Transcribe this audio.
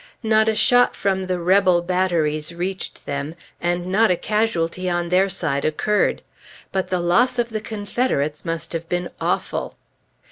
Not a shot from the "rebel" batteries reached them, and not a casualty on their side occurred. But the loss of the Confederates must have been awful.